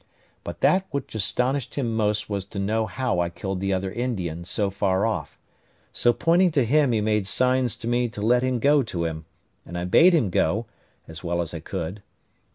But that which astonished him most was to know how I killed the other Indian so far off; so, pointing to him, he made signs to me to let him go to him; and I bade him go, as well as I could.